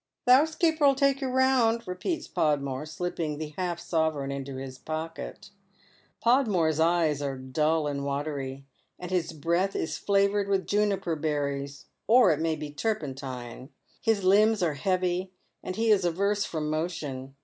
" The 'ousekeeper '11 take you round," repeats Podmore, slipping the half sovereign into his pocket. Podmore's eyes are dull and watery, and his breath is flavoured with junijier berries, or it maybe turpentine ; his limbs are heavy, and he is averse from motion.